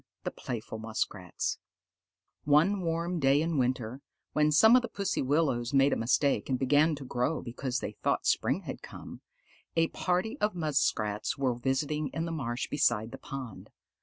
THE PLAYFUL MUSKRATS One warm day in winter, when some of the pussy willows made a mistake and began to grow because they thought spring had come, a party of Muskrats were visiting in the marsh beside the pond.